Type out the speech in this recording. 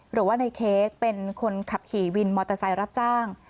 หรือว่าในเค้กเป็นคนขับขี่วินมอเตอร์ไซค์รับจ้าง